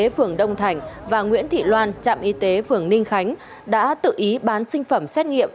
phường đông thành và nguyễn thị loan trạm y tế phường ninh khánh đã tự ý bán sinh phẩm xét nghiệm